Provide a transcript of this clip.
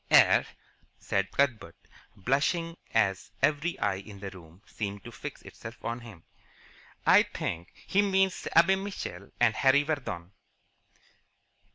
"Er " said Cuthbert, blushing as every eye in the room seemed to fix itself on him, "I think he means Abe Mitchell and Harry Vardon."